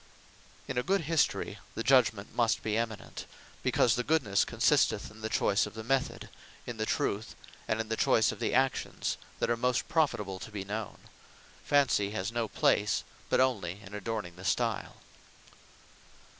In a good History, the Judgement must be eminent; because the goodnesse consisteth, in the Method, in the Truth, and in the Choyse of the actions that are most profitable to be known. Fancy has no place, but onely in adorning the stile.